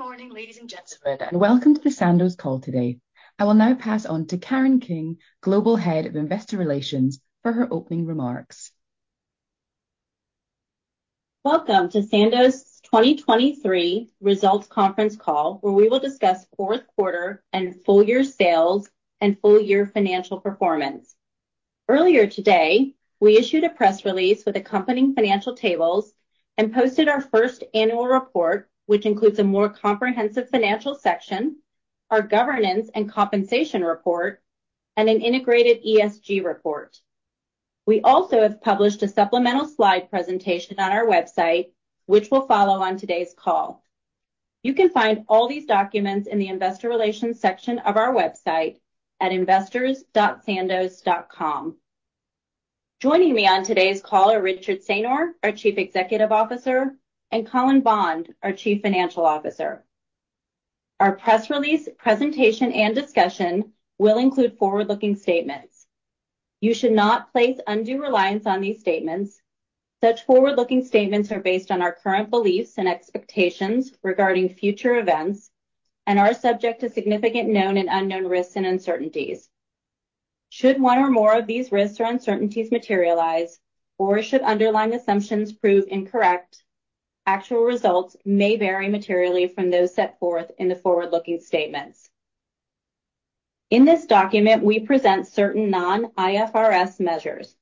Good morning, ladies and gentlemen, and welcome to the Sandoz call today. I will now pass on to Karen King, Global Head of Investor Relations, for her opening remarks. Welcome to Sandoz's 2023 Results Conference call, where we will discuss fourth quarter and full-year sales and full-year financial performance. Earlier today, we issued a press release with accompanying financial tables and posted our first annual report, which includes a more comprehensive financial section, our governance and compensation report, and an integrated ESG report. We also have published a supplemental slide presentation on our website, which will follow on today's call. You can find all these documents in the Investor Relations section of our website at investors.sandoz.com. Joining me on today's call are Richard Saynor, our Chief Executive Officer, and Colin Bond, our Chief Financial Officer. Our press release, presentation, and discussion will include forward-looking statements. You should not place undue reliance on these statements. Such forward-looking statements are based on our current beliefs and expectations regarding future events and are subject to significant known and unknown risks and uncertainties. Should one or more of these risks or uncertainties materialize, or should underlying assumptions prove incorrect, actual results may vary materially from those set forth in the forward-looking statements. In this document, we present certain non-IFRS measures.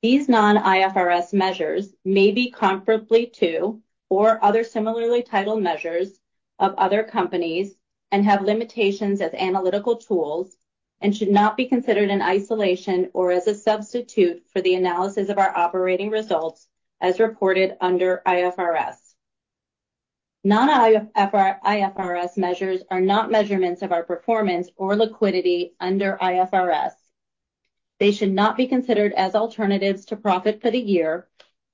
These non-IFRS measures may be comparable to or other similarly titled measures of other companies and have limitations as analytical tools and should not be considered in isolation or as a substitute for the analysis of our operating results as reported under IFRS. Non-IFRS measures are not measurements of our performance or liquidity under IFRS. They should not be considered as alternatives to profit for the year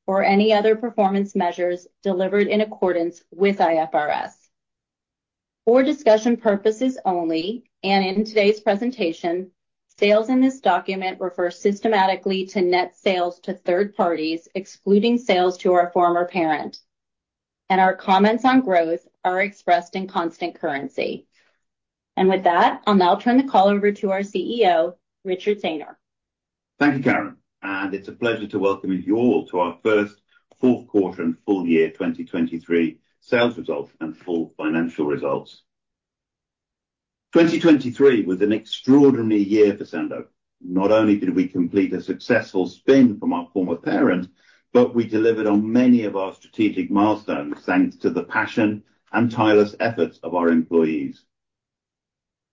or any other performance measures delivered in accordance with IFRS. For discussion purposes only, and in today's presentation, sales in this document refer systematically to net sales to third parties excluding sales to our former parent, and our comments on growth are expressed in constant currency. With that, I'll now turn the call over to our CEO, Richard Saynor. Thank you, Karen. It's a pleasure to welcome you all to our first fourth quarter and full-year 2023 sales results and full financial results. 2023 was an extraordinary year for Sandoz. Not only did we complete a successful spin from our former parent, but we delivered on many of our strategic milestones thanks to the passion and tireless efforts of our employees.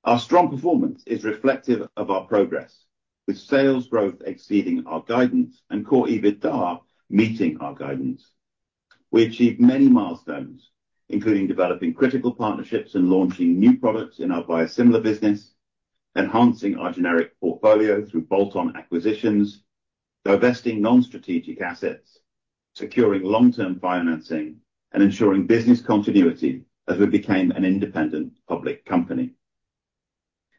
Our strong performance is reflective of our progress, with sales growth exceeding our guidance and Core EBITDA meeting our guidance. We achieved many milestones, including developing critical partnerships and launching new products in our biosimilar business, enhancing our generic portfolio through bolt-on acquisitions, divesting non-strategic assets, securing long-term financing, and ensuring business continuity as we became an independent public company.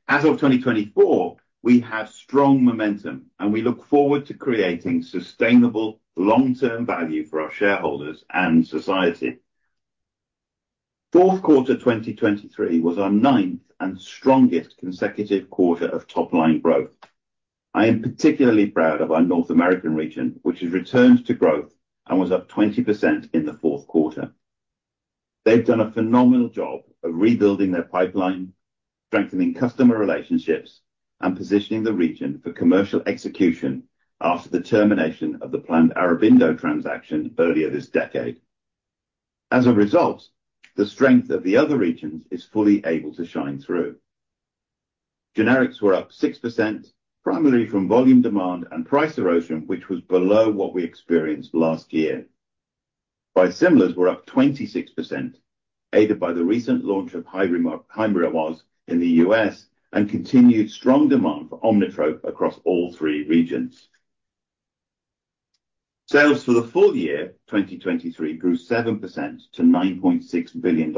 As of 2024, we have strong momentum, and we look forward to creating sustainable long-term value for our shareholders and society. Fourth quarter 2023 was our ninth and strongest consecutive quarter of top-line growth. I am particularly proud of our North American region, which has returned to growth and was up 20% in the fourth quarter. They've done a phenomenal job of rebuilding their pipeline, strengthening customer relationships, and positioning the region for commercial execution after the termination of the planned Aurobindo transaction earlier this decade. As a result, the strength of the other regions is fully able to shine through. Generics were up 6%, primarily from volume demand and price erosion, which was below what we experienced last year. Biosimilars were up 26%, aided by the recent launch of Hyrimoz in the U.S. and continued strong demand for Omnitrope across all three regions. Sales for the full year 2023 grew 7% to $9.6 billion.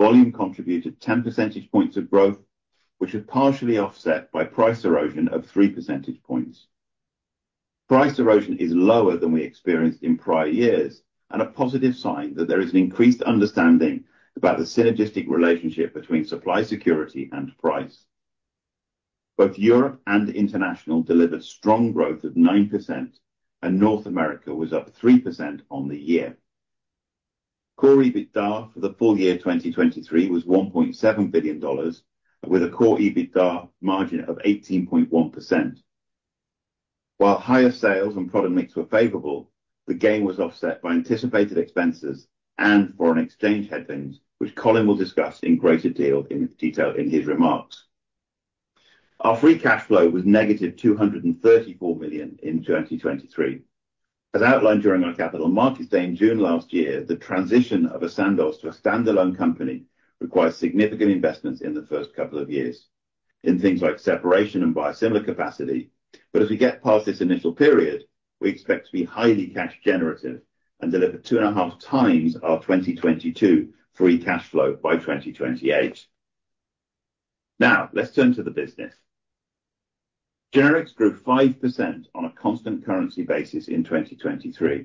Volume contributed 10 percentage points of growth, which was partially offset by price erosion of 3 percentage points. Price erosion is lower than we experienced in prior years and a positive sign that there is an increased understanding about the synergistic relationship between supply security and price. Both Europe and international delivered strong growth of 9%, and North America was up 3% on the year. Core EBITDA for the full year 2023 was $1.7 billion, with a core EBITDA margin of 18.1%. While higher sales and product mix were favorable, the gain was offset by anticipated expenses and foreign exchange headwinds, which Colin will discuss in greater detail in his remarks. Our free cash flow was -$234 million in 2023. As outlined during our capital markets day in June last year, the transition of Sandoz to a standalone company requires significant investments in the first couple of years, in things like separation and biosimilar capacity. But as we get past this initial period, we expect to be highly cash-generative and deliver 2.5 times our 2022 free cash flow by 2028. Now, let's turn to the business. Generics grew 5% on a constant currency basis in 2023,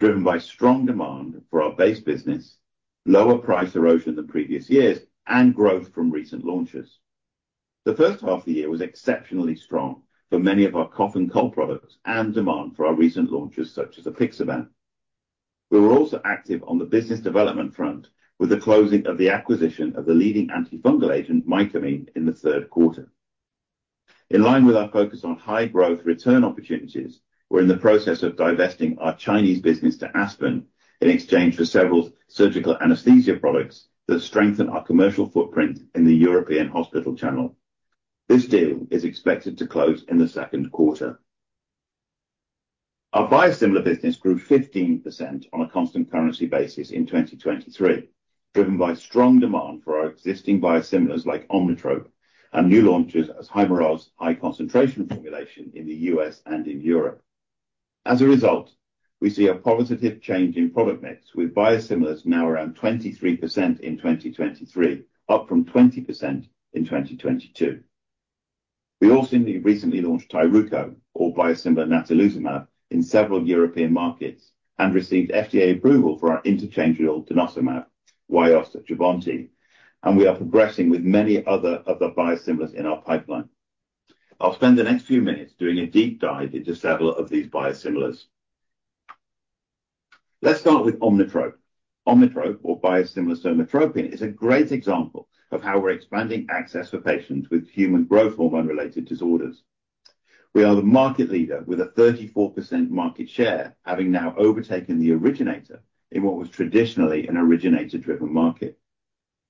driven by strong demand for our base business, lower price erosion than previous years, and growth from recent launches. The first half of the year was exceptionally strong for many of our key and core products and demand for our recent launches such as Apixaban. We were also active on the business development front with the closing of the acquisition of the leading antifungal agent, Mycamine, in the third quarter. In line with our focus on high growth return opportunities, we're in the process of divesting our Chinese business to Aspen in exchange for several surgical anesthesia products that strengthen our commercial footprint in the European hospital channel. This deal is expected to close in the second quarter. Our biosimilar business grew 15% on a constant currency basis in 2023, driven by strong demand for our existing biosimilars like Omnitrope and new launches as Hyrimoz high concentration formulation in the U.S. and in Europe. As a result, we see a positive change in product mix, with biosimilars now around 23% in 2023, up from 20% in 2022. We also recently launched Tyruko, or biosimilar natalizumab, in several European markets and received FDA approval for our interchangeable Denosumab, Wyost, Jubbonti, and we are progressing with many other biosimilars in our pipeline. I'll spend the next few minutes doing a deep dive into several of these biosimilars. Let's start with Omnitrope. Omnitrope, or biosimilar somatropin, is a great example of how we're expanding access for patients with human growth hormone-related disorders. We are the market leader with a 34% market share, having now overtaken the originator in what was traditionally an originator-driven market.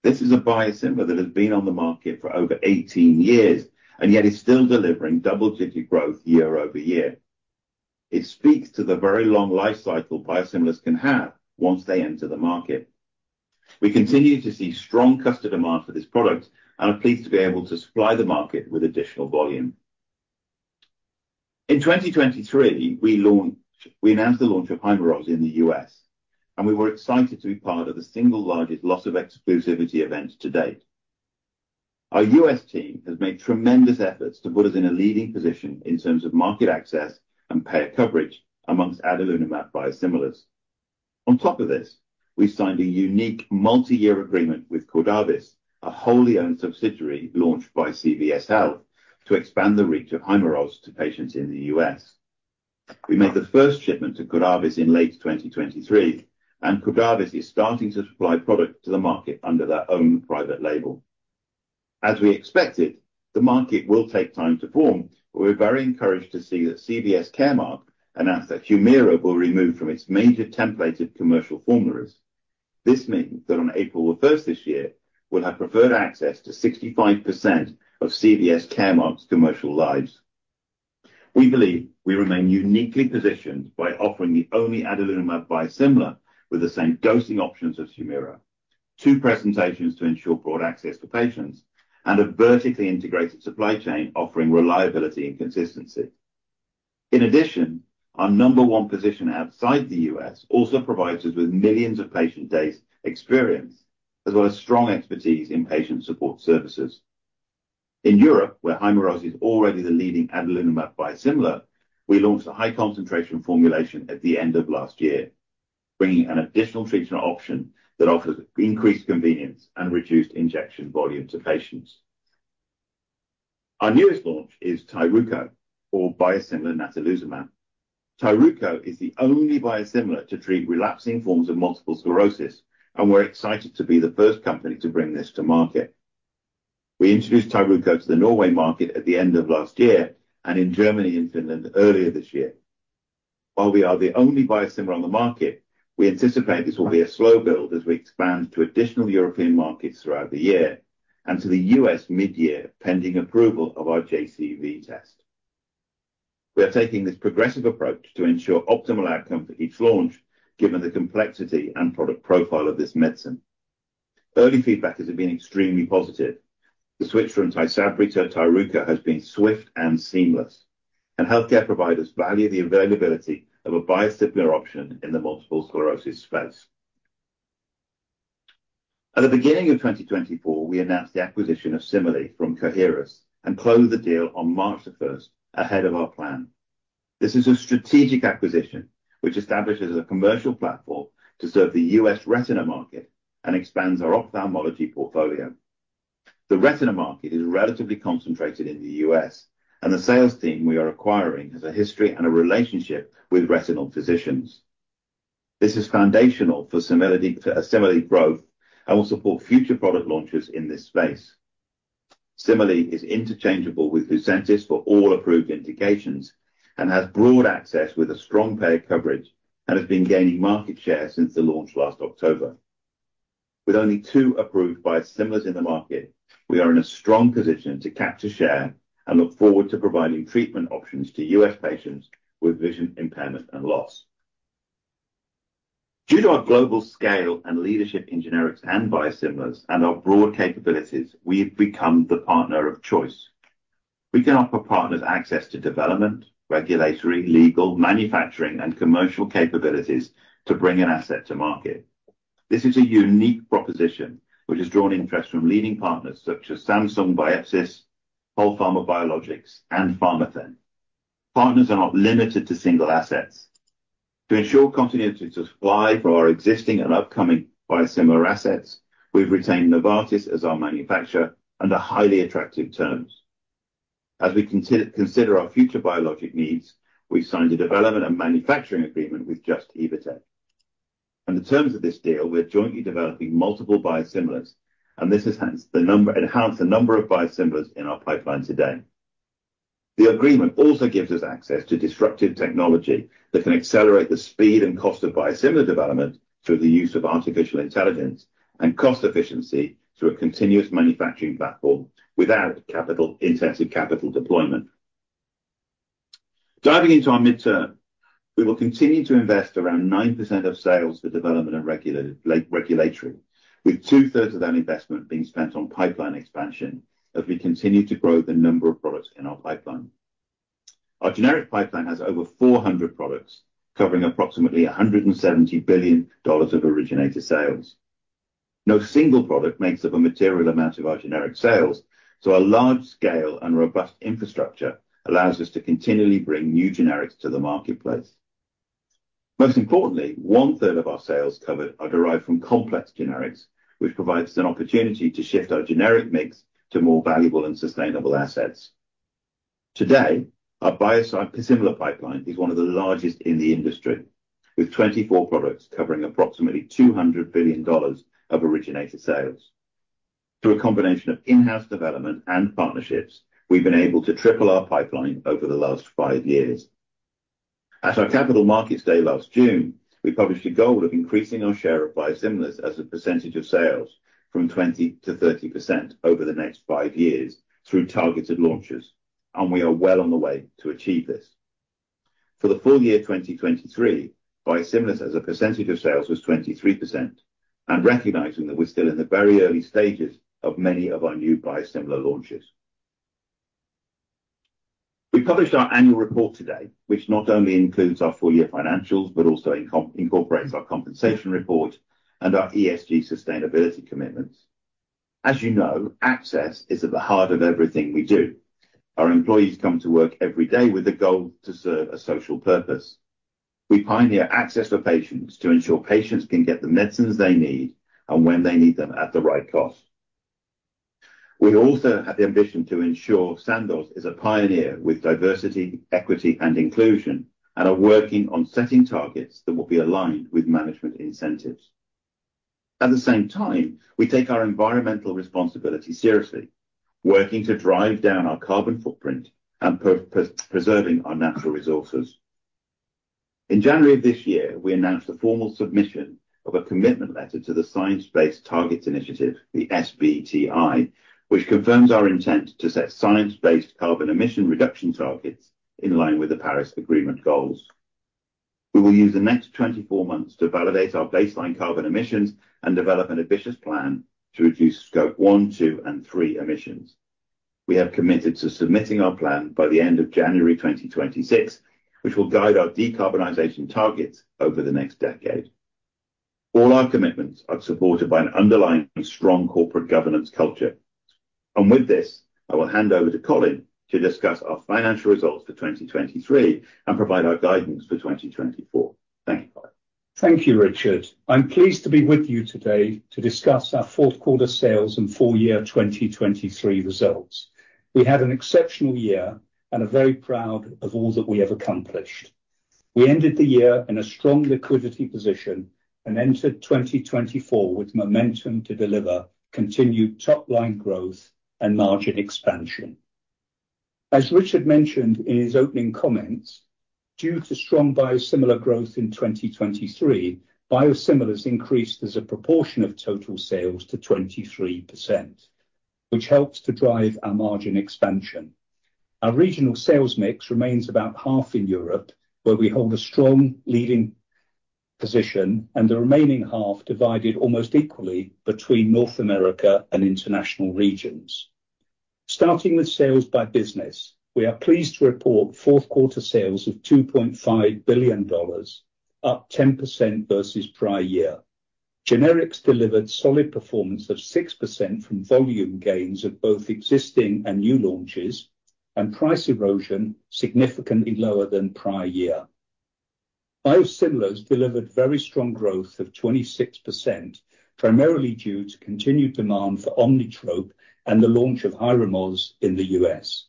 This is a biosimilar that has been on the market for over 18 years, and yet is still delivering double-digit growth year-over-year. It speaks to the very long lifecycle biosimilars can have once they enter the market. We continue to see strong customer demand for this product and are pleased to be able to supply the market with additional volume. In 2023, we announced the launch of Hyrimoz in the U.S., and we were excited to be part of the single largest loss of exclusivity event to date. Our U.S. team has made tremendous efforts to put us in a leading position in terms of market access and payer coverage amongst adalimumab biosimilars. On top of this, we signed a unique multi-year agreement with Cordavis, a wholly owned subsidiary launched by CVS Health, to expand the reach of Hyrimoz to patients in the U.S. We made the first shipment to Cordavis in late 2023, and Cordavis is starting to supply product to the market under their own private label. As we expected, the market will take time to form, but we're very encouraged to see that CVS Caremark announced that Humira will remove from its major templated commercial formularies. This means that on April 1st this year, we'll have preferred access to 65% of CVS Caremark's commercial lives. We believe we remain uniquely positioned by offering the only adalimumab biosimilar with the same dosing options as Humira, two presentations to ensure broad access for patients, and a vertically integrated supply chain offering reliability and consistency. In addition, our number one position outside the US also provides us with millions of patient days experience as well as strong expertise in patient support services. In Europe, where Hyrimoz is already the leading adalimumab biosimilar, we launched a high concentration formulation at the end of last year, bringing an additional treatment option that offers increased convenience and reduced injection volume to patients. Our newest launch is Tyruko, our biosimilar natalizumab. Tyruko is the only biosimilar to treat relapsing forms of multiple sclerosis, and we're excited to be the first company to bring this to market. We introduced Tyruko to the Norway market at the end of last year and in Germany and Finland earlier this year. While we are the only biosimilar on the market, we anticipate this will be a slow build as we expand to additional European markets throughout the year and to the US mid-year pending approval of our JCV test. We are taking this progressive approach to ensure optimal outcome for each launch, given the complexity and product profile of this medicine. Early feedback has been extremely positive. The switch from Tysabri to Tyruko has been swift and seamless, and healthcare providers value the availability of a biosimilar option in the multiple sclerosis space. At the beginning of 2024, we announced the acquisition of Cimerli from Coherus and closed the deal on March 1st ahead of our plan. This is a strategic acquisition which establishes a commercial platform to serve the U.S. retina market and expands our ophthalmology portfolio. The retina market is relatively concentrated in the U.S., and the sales team we are acquiring has a history and a relationship with retinal physicians. This is foundational for Cimerli growth and will support future product launches in this space. Cimerli is interchangeable with Lucentis for all approved indications and has broad access with a strong payer coverage and has been gaining market share since the launch last October. With only two approved biosimilars in the market, we are in a strong position to capture share and look forward to providing treatment options to U.S. patients with vision impairment and loss. Due to our global scale and leadership in generics and biosimilars and our broad capabilities, we have become the partner of choice. We can offer partners access to development, regulatory, legal, manufacturing, and commercial capabilities to bring an asset to market. This is a unique proposition which has drawn interest from leading partners such as Samsung Bioepis, Polpharma Biologics, and Pharmathen. Partners are not limited to single assets. To ensure continuity to supply for our existing and upcoming biosimilar assets, we've retained Novartis as our manufacturer under highly attractive terms. As we consider our future biologic needs, we've signed a development and manufacturing agreement with Just Evotec. Under the terms of this deal, we're jointly developing multiple biosimilars, and this has enhanced the number of biosimilars in our pipeline today. The agreement also gives us access to disruptive technology that can accelerate the speed and cost of biosimilar development through the use of artificial intelligence and cost efficiency through a continuous manufacturing platform without intensive capital deployment. Diving into our mid-term, we will continue to invest around 9% of sales for development and regulatory, with two-thirds of that investment being spent on pipeline expansion as we continue to grow the number of products in our pipeline. Our generic pipeline has over 400 products, covering approximately $170 billion of originator sales. No single product makes up a material amount of our generic sales, so our large-scale and robust infrastructure allows us to continually bring new generics to the marketplace. Most importantly, one-third of our sales covered are derived from complex generics, which provides an opportunity to shift our generic mix to more valuable and sustainable assets. Today, our biosimilar pipeline is one of the largest in the industry, with 24 products covering approximately $200 billion of originator sales. Through a combination of in-house development and partnerships, we've been able to triple our pipeline over the last five years. At our capital markets day last June, we published a goal of increasing our share of biosimilars as a percentage of sales from 20%-30% over the next five years through targeted launches, and we are well on the way to achieve this. For the full year 2023, biosimilars as a percentage of sales was 23%, and recognizing that we're still in the very early stages of many of our new biosimilar launches. We published our annual report today, which not only includes our full-year financials but also incorporates our compensation report and our ESG sustainability commitments. As you know, access is at the heart of everything we do. Our employees come to work every day with the goal to serve a social purpose. We pioneer access for patients to ensure patients can get the medicines they need and when they need them at the right cost. We also have the ambition to ensure Sandoz is a pioneer with diversity, equity, and inclusion, and are working on setting targets that will be aligned with management incentives. At the same time, we take our environmental responsibility seriously, working to drive down our carbon footprint and preserving our natural resources. In January of this year, we announced the formal submission of a commitment letter to the Science-Based Targets Initiative, the SBTi, which confirms our intent to set science-based carbon emission reduction targets in line with the Paris Agreement goals. We will use the next 24 months to validate our baseline carbon emissions and develop an ambitious plan to reduce Scope one, two, and 3 emissions. We have committed to submitting our plan by the end of January 2026, which will guide our decarbonization targets over the next decade. All our commitments are supported by an underlying strong corporate governance culture. With this, I will hand over to Colin to discuss our financial results for 2023 and provide our guidance for 2024. Thank you, Colin. Thank you, Richard. I'm pleased to be with you today to discuss our fourth quarter sales and full-year 2023 results. We had an exceptional year and are very proud of all that we have accomplished. We ended the year in a strong liquidity position and entered 2024 with momentum to deliver continued top-line growth and margin expansion. As Richard mentioned in his opening comments, due to strong biosimilar growth in 2023, biosimilars increased as a proportion of total sales to 23%, which helps to drive our margin expansion. Our regional sales mix remains about half in Europe, where we hold a strong leading position, and the remaining half divided almost equally between North America and international regions. Starting with sales by business, we are pleased to report fourth quarter sales of $2.5 billion, up 10% versus prior year. Generics delivered solid performance of 6% from volume gains of both existing and new launches, and price erosion significantly lower than prior year. Biosimilars delivered very strong growth of 26%, primarily due to continued demand for Omnitrope and the launch of Hyrimoz in the U.S.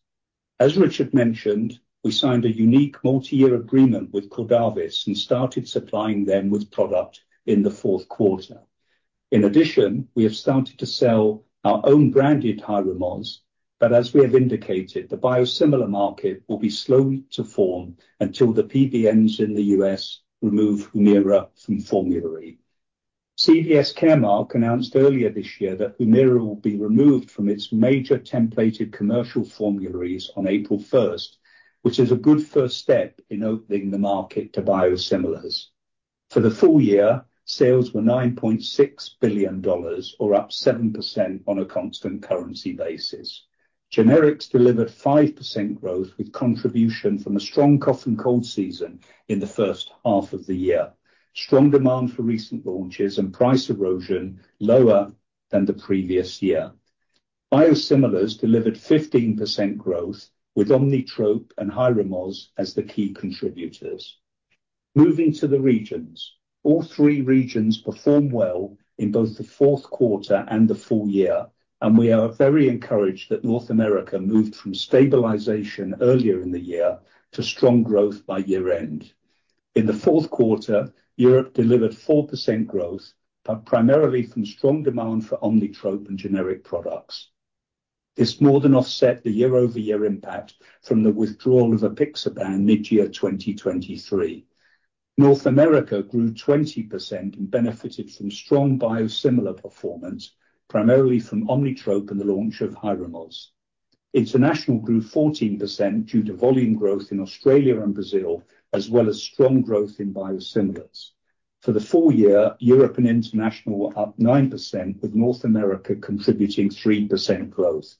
As Richard mentioned, we signed a unique multi-year agreement with Cordavis and started supplying them with product in the fourth quarter. In addition, we have started to sell our own branded Hyrimoz, but as we have indicated, the biosimilar market will be slow to form until the PBMs in the U.S. remove Humira from formulary. CVS Caremark announced earlier this year that Humira will be removed from its major templated commercial formularies on April 1st, which is a good first step in opening the market to biosimilars. For the full year, sales were $9.6 billion, or up 7% on a constant currency basis. Generics delivered 5% growth with contribution from a strong cough-and-cold season in the first half of the year. Strong demand for recent launches and price erosion lower than the previous year. Biosimilars delivered 15% growth with Omnitrope and Hyrimoz as the key contributors. Moving to the regions, all three regions perform well in both the fourth quarter and the full year, and we are very encouraged that North America moved from stabilization earlier in the year to strong growth by year-end. In the fourth quarter, Europe delivered 4% growth, but primarily from strong demand for Omnitrope and generic products. This more than offset the year-over-year impact from the withdrawal of Apixaban mid-year 2023. North America grew 20% and benefited from strong biosimilar performance, primarily from Omnitrope and the launch of Hyrimoz. International grew 14% due to volume growth in Australia and Brazil, as well as strong growth in biosimilars. For the full year, Europe and international were up 9%, with North America contributing 3% growth.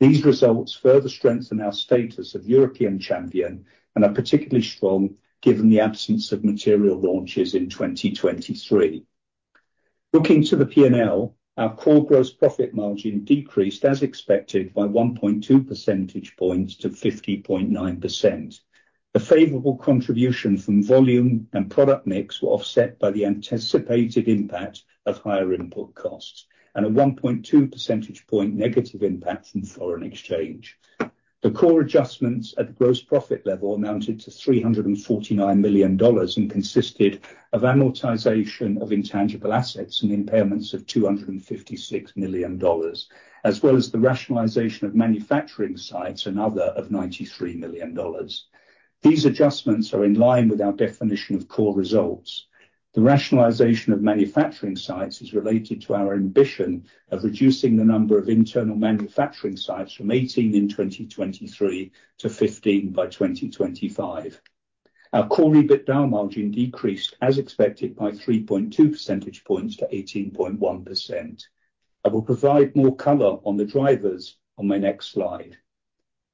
These results further strengthen our status of European champion and are particularly strong given the absence of material launches in 2023. Looking to the P&L, our core gross profit margin decreased as expected by 1.2 percentage points to 50.9%. A favorable contribution from volume and product mix were offset by the anticipated impact of higher input costs and a 1.2 percentage point negative impact from foreign exchange. The core adjustments at the gross profit level amounted to $349 million and consisted of amortization of intangible assets and impairments of $256 million, as well as the rationalization of manufacturing sites and other of $93 million. These adjustments are in line with our definition of core results. The rationalization of manufacturing sites is related to our ambition of reducing the number of internal manufacturing sites from 18 in 2023 to 15 by 2025. Our core rebate bar margin decreased as expected by 3.2 percentage points to 18.1%. I will provide more color on the drivers on my next slide.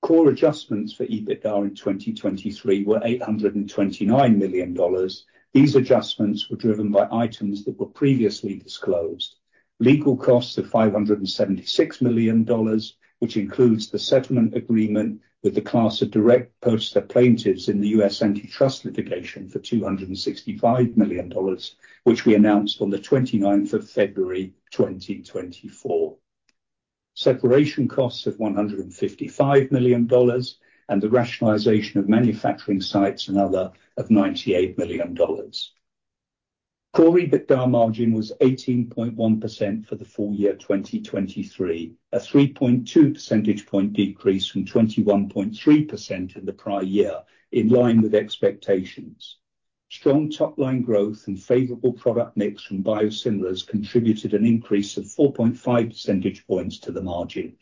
Core adjustments for EBITDA in 2023 were $829 million. These adjustments were driven by items that were previously disclosed: legal costs of $576 million, which includes the settlement agreement with the class of direct purchasers in the U.S. antitrust litigation for $265 million, which we announced on the 29th of February 2024. Separation costs of $155 million. And the rationalization of manufacturing sites and other of $98 million. Core EBITDA margin was 18.1% for the full year 2023, a 3.2 percentage point decrease from 21.3% in the prior year, in line with expectations. Strong top-line growth and favorable product mix from biosimilars contributed an increase of 4.5 percentage points to the margin.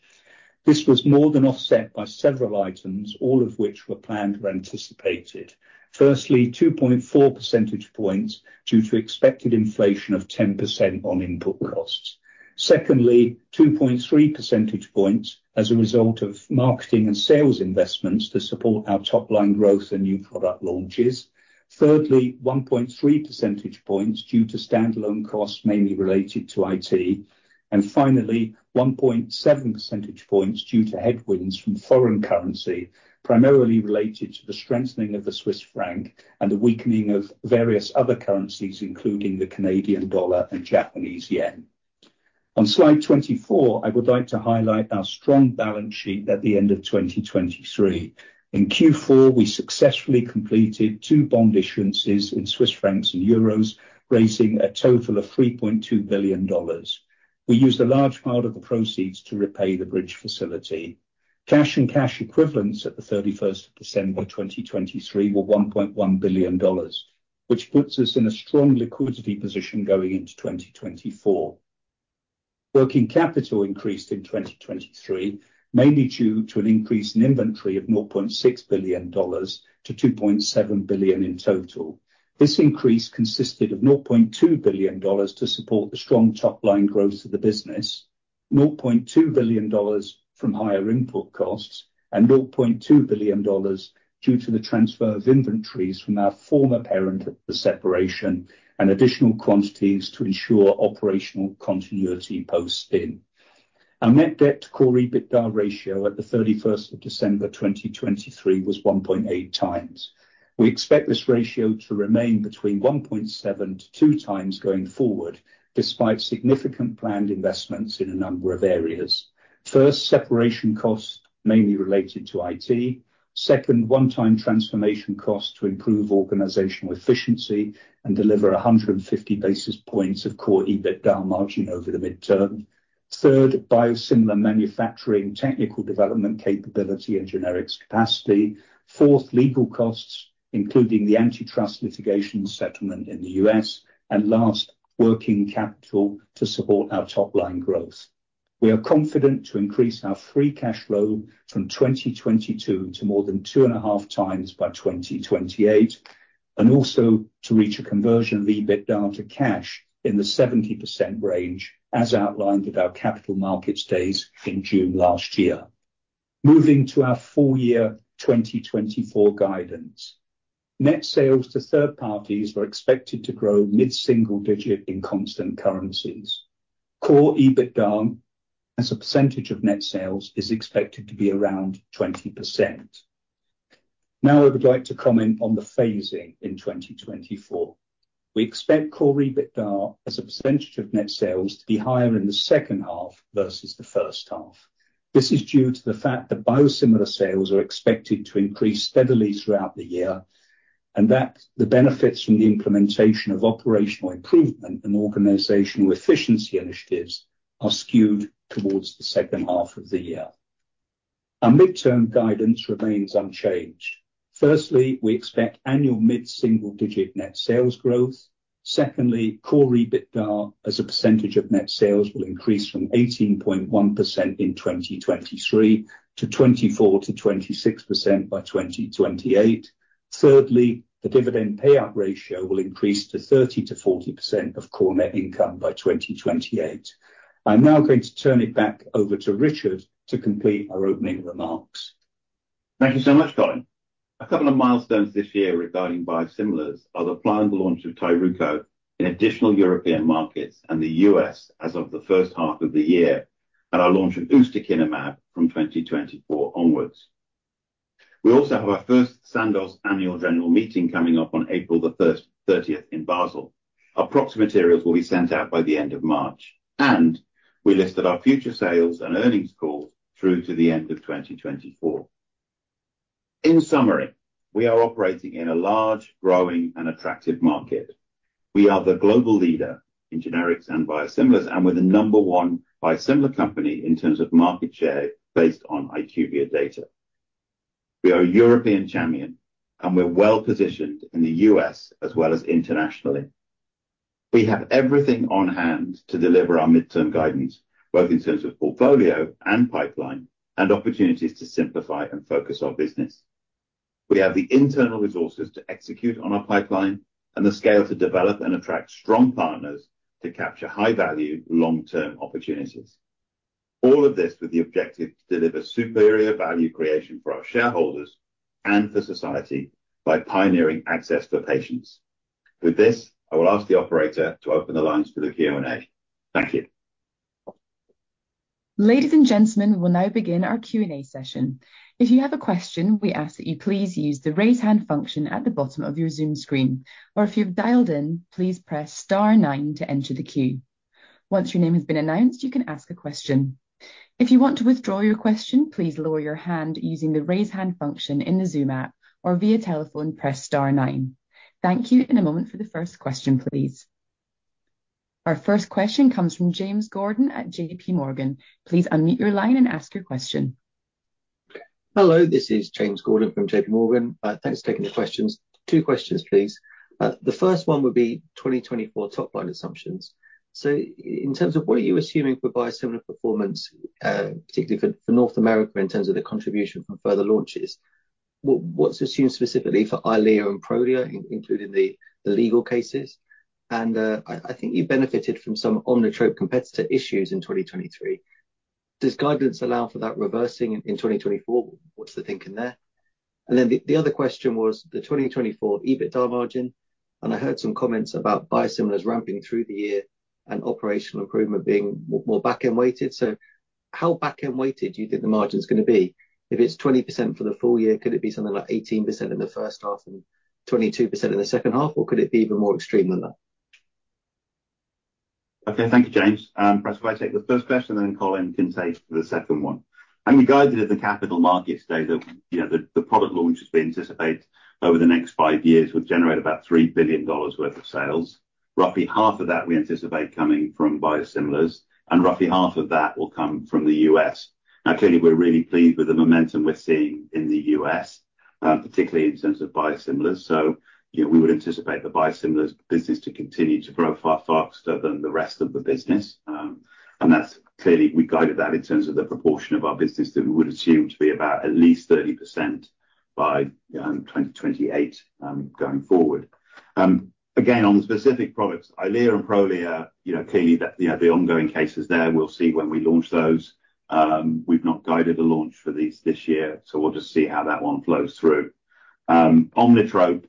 This was more than offset by several items, all of which were planned or anticipated. Firstly, 2.4 percentage points due to expected inflation of 10% on input costs. Secondly, 2.3 percentage points as a result of marketing and sales investments to support our top-line growth and new product launches. Thirdly, 1.3 percentage points due to standalone costs mainly related to IT. And finally, 1.7 percentage points due to headwinds from foreign currency, primarily related to the strengthening of the Swiss franc and the weakening of various other currencies, including the Canadian dollar and Japanese yen. On slide 24, I would like to highlight our strong balance sheet at the end of 2023. In Q4, we successfully completed two bond issuances in Swiss francs and euros, raising a total of $3.2 billion. We used a large part of the proceeds to repay the bridge facility. Cash and cash equivalents at the 31st of December 2023 were $1.1 billion, which puts us in a strong liquidity position going into 2024. Working capital increased in 2023, mainly due to an increase in inventory of $0.6 billion to $2.7 billion in total. This increase consisted of $0.2 billion to support the strong top-line growth of the business, $0.2 billion from higher input costs, and $0.2 billion due to the transfer of inventories from our former parent at the separation and additional quantities to ensure operational continuity post-spin. Our net debt to core EBITDA ratio at the 31st of December 2023 was 1.8 times. We expect this ratio to remain between 1.7-2 times going forward, despite significant planned investments in a number of areas. First, separation costs mainly related to IT. Second, one-time transformation costs to improve organizational efficiency and deliver 150 basis points of Core EBITDA margin over the midterm. Third, biosimilar manufacturing technical development capability and generics capacity. Fourth, legal costs, including the antitrust litigation settlement in the U.S. And last, working capital to support our top-line growth. We are confident to increase our free cash flow from 2022 to more than 2.5 times by 2028, and also to reach a conversion of EBITDA to cash in the 70% range, as outlined at our capital markets days in June last year. Moving to our full-year 2024 guidance. Net sales to third parties are expected to grow mid-single-digit in constant currencies. Core EBITDA as a percentage of net sales is expected to be around 20%. Now, I would like to comment on the phasing in 2024. We expect Core EBITDA as a percentage of net sales to be higher in the second half versus the first half. This is due to the fact that biosimilar sales are expected to increase steadily throughout the year, and that the benefits from the implementation of operational improvement and organizational efficiency initiatives are skewed towards the second half of the year. Our mid-term guidance remains unchanged. Firstly, we expect annual mid-single-digit net sales growth. Secondly, Core EBITDA as a percentage of net sales will increase from 18.1% in 2023 to 24%-26% by 2028. Thirdly, the dividend payout ratio will increase to 30%-40% of core net income by 2028. I'm now going to turn it back over to Richard to complete our opening remarks. Thank you so much, Colin. A couple of milestones this year regarding biosimilars are the planned launch of Tyruko in additional European markets and the US as of the first half of the year, and our launch of Ustekinumab from 2024 onwards. We also have our first Sandoz annual general meeting coming up on April 30th in Basel. Appropriate materials will be sent out by the end of March. And we listed our future sales and earnings calls through to the end of 2024. In summary, we are operating in a large, growing, and attractive market. We are the global leader in generics and biosimilars, and we're the number one biosimilar company in terms of market share based on IQVIA data. We are a European champion, and we're well positioned in the US as well as internationally. We have everything on hand to deliver our midterm guidance, both in terms of portfolio and pipeline, and opportunities to simplify and focus our business. We have the internal resources to execute on our pipeline and the scale to develop and attract strong partners to capture high-value, long-term opportunities. All of this with the objective to deliver superior value creation for our shareholders and for society by pioneering access for patients. With this, I will ask the operator to open the lines for the Q&A. Thank you. Ladies and gentlemen, we will now begin our Q&A session. If you have a question, we ask that you please use the raise hand function at the bottom of your Zoom screen. Or if you've dialed in, please press star 9 to enter the queue. Once your name has been announced, you can ask a question. If you want to withdraw your question, please lower your hand using the raise hand function in the Zoom app, or via telephone, press star 9. Thank you. In a moment for the first question, please. Our first question comes from James Gordon at JPMorgan. Please unmute your line and ask your question. Hello. This is James Gordon from JPMorgan. Thanks for taking the questions. Two questions, please. The first one would be 2024 top-line assumptions. So in terms of what are you assuming for biosimilar performance, particularly for North America in terms of the contribution from further launches? What's assumed specifically for Eylea and Prolia, including the legal cases? And I think you benefited from some Omnitrope competitor issues in 2023. Does guidance allow for that reversing in 2024? What's the thinking there? And then the other question was the 2024 EBITDA margin. And I heard some comments about biosimilars ramping through the year and operational improvement being more backend-weighted. So how backend-weighted do you think the margin's going to be? If it's 20% for the full year, could it be something like 18% in the first half and 22% in the second half, or could it be even more extreme than that? Okay. Thank you, James. If I take the first question, then Colin can take the second one. We guided at the capital markets day that the product launches we anticipate over the next five years would generate about $3 billion worth of sales. Roughly half of that we anticipate coming from biosimilars, and roughly half of that will come from the U.S. Now, clearly, we're really pleased with the momentum we're seeing in the U.S., particularly in terms of biosimilars. We would anticipate the biosimilars business to continue to grow far faster than the rest of the business. Clearly, we guided that in terms of the proportion of our business that we would assume to be about at least 30% by 2028 going forward. Again, on the specific products, Eylea and Prolia, clearly, the ongoing cases there, we'll see when we launch those. We've not guided a launch for these this year, so we'll just see how that one flows through. Omnitrope,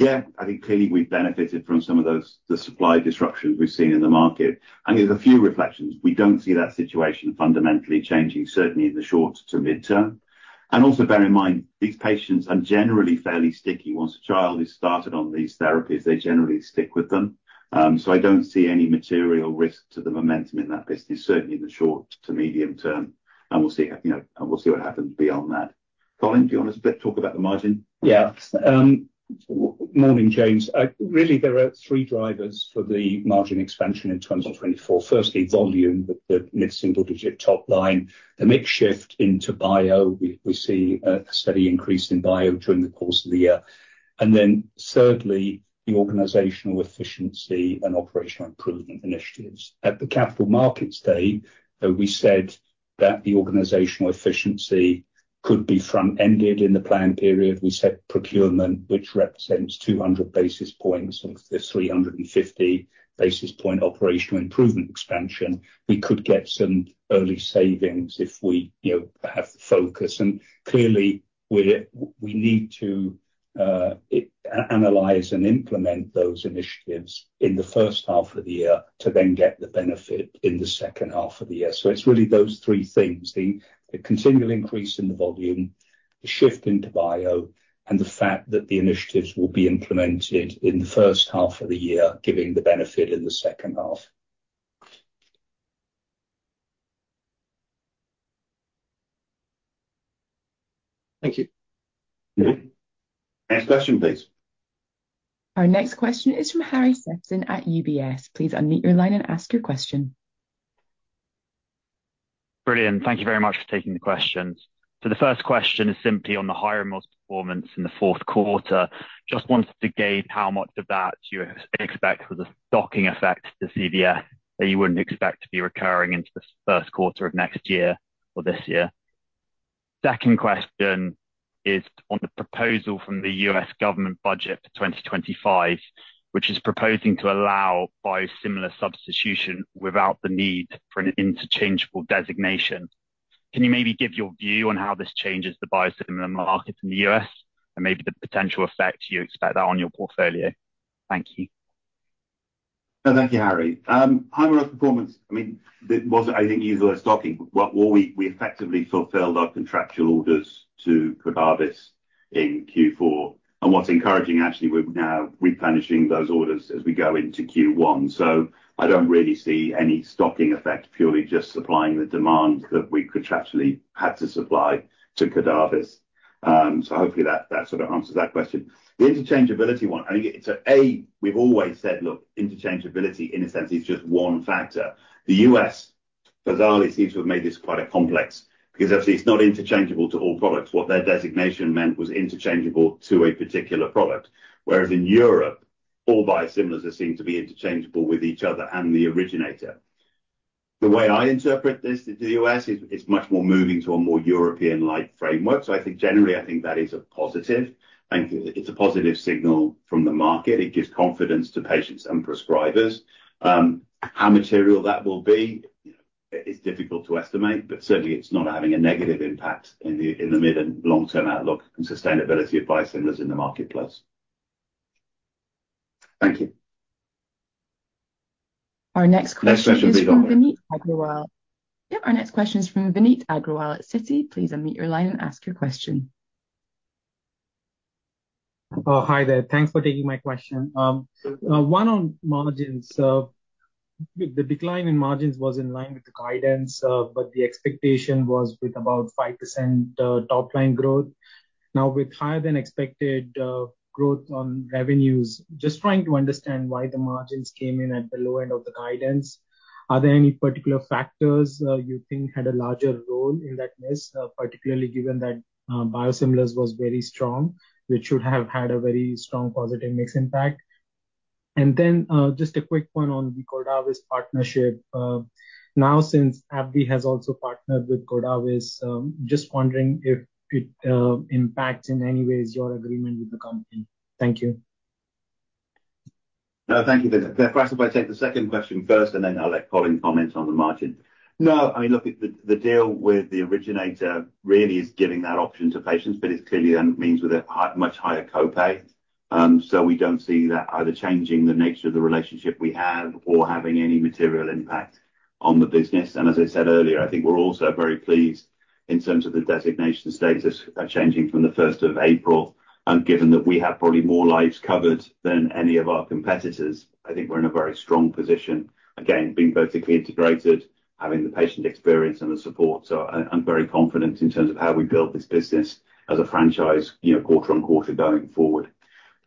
yeah, I think clearly we've benefited from some of the supply disruptions we've seen in the market. I think there's a few reflections. We don't see that situation fundamentally changing, certainly in the short to midterm. Also bear in mind, these patients are generally fairly sticky. Once a child is started on these therapies, they generally stick with them. So I don't see any material risk to the momentum in that business, certainly in the short to medium term. We'll see what happens beyond that. Colin, do you want to talk about the margin? Yeah. Morning, James. Really, there are three drivers for the margin expansion in 2024. Firstly, volume, the mid-single digit top line, the mix shift into bio. We see a steady increase in bio during the course of the year. And then thirdly, the organizational efficiency and operational improvement initiatives. At the capital markets day, we said that the organizational efficiency could be front-ended in the planned period. We said procurement, which represents 200 basis points of the 350 basis point operational improvement expansion. We could get some early savings if we have the focus. And clearly, we need to analyze and implement those initiatives in the first half of the year to then get the benefit in the second half of the year. So it's really those three things: the continual increase in the volume, the shift into bio, and the fact that the initiatives will be implemented in the first half of the year, giving the benefit in the second half. Thank you. Next question, please. Our next question is from Harry Sephton at UBS. Please unmute your line and ask your question. Brilliant. Thank you very much for taking the questions. So the first question is simply on the highest performance in the fourth quarter. Just wanted to gauge how much of that you expect was a stocking effect to CVS that you wouldn't expect to be recurring into the first quarter of next year or this year. Second question is on the proposal from the U.S. government budget for 2025, which is proposing to allow biosimilar substitution without the need for an interchangeable designation. Can you maybe give your view on how this changes the biosimilar market in the U.S. and maybe the potential effect you expect that on your portfolio? Thank you. No, thank you, Harry. Hyrimoz performance, I mean, I think you said stocking. We effectively fulfilled our contractual orders to Cordavis in Q4. And what's encouraging, actually, we're now replenishing those orders as we go into Q1. So I don't really see any stocking effect, purely just supplying the demand that we contractually had to supply to Cordavis. So hopefully, that sort of answers that question. The interchangeability one, I think it's a A, we've always said, "Look, interchangeability, in a sense, is just one factor." The U.S., bizarrely, seems to have made this quite a complex because obviously, it's not interchangeable to all products. What their designation meant was interchangeable to a particular product. Whereas in Europe, all biosimilars seem to be interchangeable with each other and the originator. The way I interpret this to the U.S. is much more moving to a more European-like framework. Generally, I think that is a positive. It's a positive signal from the market. It gives confidence to patients and prescribers. How material that will be, it's difficult to estimate, but certainly, it's not having a negative impact in the mid and long-term outlook and sustainability of biosimilars in the marketplace. Thank you. Our next question is from Vineet Agrawal. Yep, our next question is from Vineet Agrawal at Citi. Please unmute your line and ask your question. Hi there. Thanks for taking my question. One on margins. The decline in margins was in line with the guidance, but the expectation was with about 5% top-line growth. Now, with higher-than-expected growth on revenues, just trying to understand why the margins came in at the low end of the guidance, are there any particular factors you think had a larger role in that miss, particularly given that biosimilars was very strong, which should have had a very strong positive mix impact? And then just a quick point on the Cordavis partnership. Now, since AbbVie has also partnered with Cordavis, just wondering if it impacts in any ways your agreement with the company. Thank you. Thank you. Professor, if I take the second question first, and then I'll let Colin comment on the margin. No, I mean, look, the deal with the originator really is giving that option to patients, but it clearly then means with a much higher copay. So we don't see that either changing the nature of the relationship we have or having any material impact on the business. And as I said earlier, I think we're also very pleased in terms of the designation status changing from the 1st of April. And given that we have probably more lives covered than any of our competitors, I think we're in a very strong position. Again, being vertically integrated, having the patient experience and the support. So I'm very confident in terms of how we build this business as a franchise quarter on quarter going forward.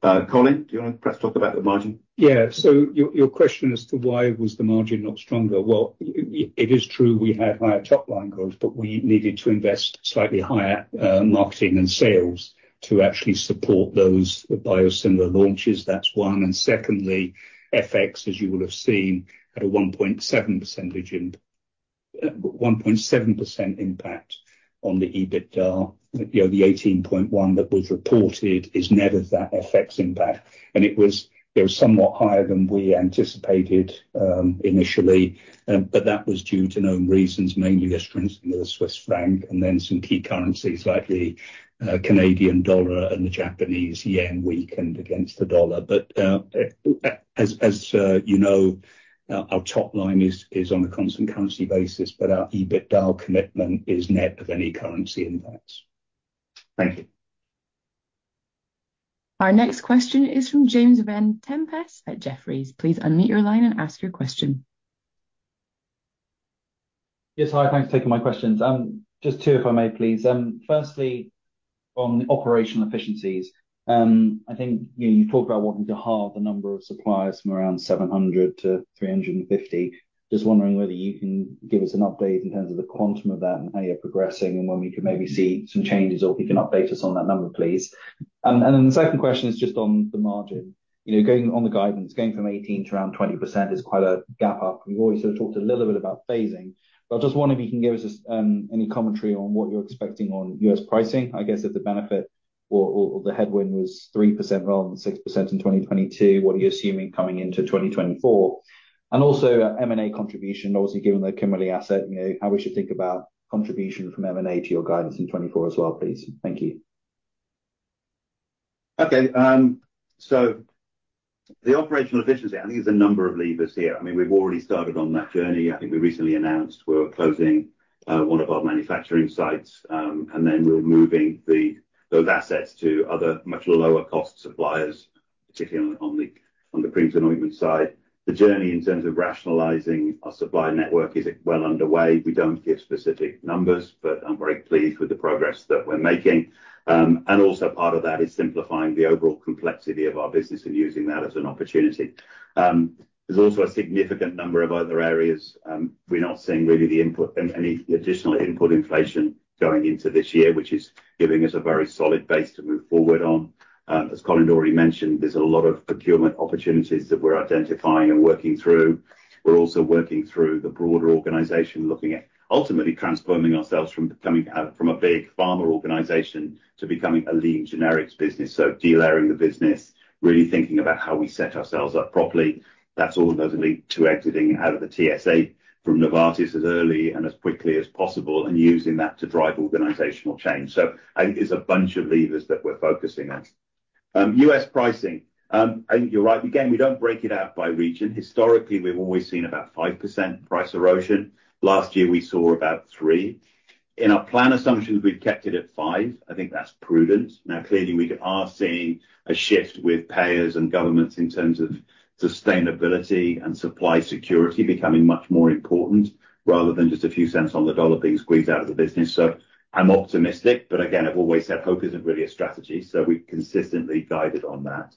Colin, do you want to talk about the margin? Yeah. So your question as to why was the margin not stronger? Well, it is true we had higher top-line growth, but we needed to invest slightly higher marketing and sales to actually support those biosimilar launches. That's one. And secondly, FX, as you will have seen, had a 1.7% impact on the EBITDA. The 18.1 that was reported is never that FX impact. And it was somewhat higher than we anticipated initially, but that was due to known reasons, mainly the strength of the Swiss franc and then some key currencies like the Canadian dollar and the Japanese yen weakened against the dollar. But as you know, our top line is on a constant currency basis, but our EBITDA commitment is net of any currency impacts. Thank you. Our next question is from James Vane-Tempest at Jefferies. Please unmute your line and ask your question. Yes. Hi. Thanks for taking my questions. Just two, if I may, please. Firstly, on operational efficiencies, I think you talked about wanting to halve the number of suppliers from around 700 to 350. Just wondering whether you can give us an update in terms of the quantum of that and how you're progressing and when we could maybe see some changes or if you can update us on that number, please. Then the second question is just on the margin. Going on the guidance, going from 18% to around 20% is quite a gap up. We've always sort of talked a little bit about phasing, but I just wonder if you can give us any commentary on what you're expecting on U.S. pricing. I guess if the benefit or the headwind was 3% rather than 6% in 2022, what are you assuming coming into 2024? And also M&A contribution, obviously, given the Cimerli asset, how we should think about contribution from M&A to your guidance in 2024 as well, please. Thank you. Okay. The operational efficiency, I think there's a number of levers here. I mean, we've already started on that journey. I think we recently announced we're closing one of our manufacturing sites, and then we're moving those assets to other much lower-cost suppliers, particularly on the printing ointment side. The journey in terms of rationalizing our supply network is well underway. We don't give specific numbers, but I'm very pleased with the progress that we're making. Also part of that is simplifying the overall complexity of our business and using that as an opportunity. There's also a significant number of other areas. We're not seeing really any additional input inflation going into this year, which is giving us a very solid base to move forward on. As Colin already mentioned, there's a lot of procurement opportunities that we're identifying and working through. We're also working through the broader organization, ultimately transforming ourselves from a big farmer organization to becoming a lean generics business. So de-layering the business, really thinking about how we set ourselves up properly. That's all that's leading to exiting out of the TSA from Novartis as early and as quickly as possible and using that to drive organizational change. So I think there's a bunch of levers that we're focusing on. US pricing, I think you're right. Again, we don't break it out by region. Historically, we've always seen about 5% price erosion. Last year, we saw about 3%. In our plan assumptions, we've kept it at 5%. I think that's prudent. Now, clearly, we are seeing a shift with payers and governments in terms of sustainability and supply security becoming much more important rather than just a few cents on the dollar being squeezed out of the business. So I'm optimistic, but again, I've always said hope isn't really a strategy. So we're consistently guided on that.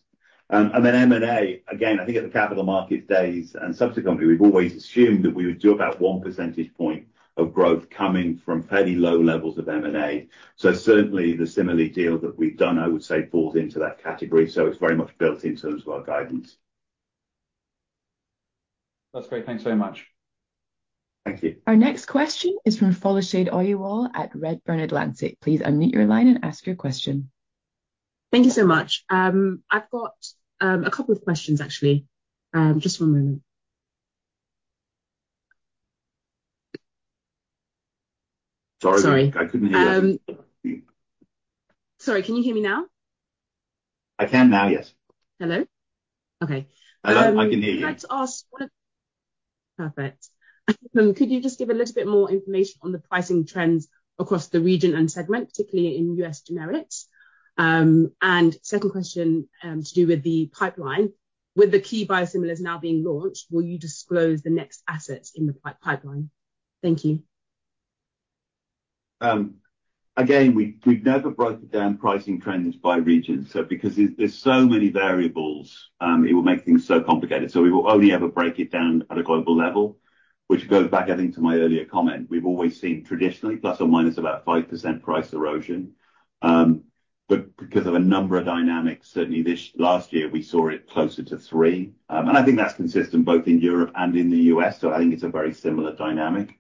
And then M&A, again, I think at the capital markets days and subsequently, we've always assumed that we would do about one percentage point of growth coming from fairly low levels of M&A. So certainly, the Cimerli deal that we've done, I would say, falls into that category. So it's very much built in terms of our guidance. That's great. Thanks very much. Thank you. Our next question is from Folashade Oyewole Equity Research Analyst at Redburn Atlantic. Please unmute your line and ask your question. Thank you so much. I've got a couple of questions, actually. Just one moment. Sorry. I couldn't hear you. Sorry. Can you hear me now? I can now, yes. Hello? Okay. Hello. I can hear you. Let's ask one of. Perfect. Could you just give a little bit more information on the pricing trends across the region and segment, particularly in U.S. generics? And second question to do with the pipeline. With the key biosimilars now being launched, will you disclose the next assets in the pipeline? Thank you. Again, we've never broken down pricing trends by region. So because there's so many variables, it will make things so complicated. So we will only ever break it down at a global level, which goes back, I think, to my earlier comment. We've always seen traditionally, ± about 5% price erosion. But because of a number of dynamics, certainly last year, we saw it closer to 3%. And I think that's consistent both in Europe and in the US. So I think it's a very similar dynamic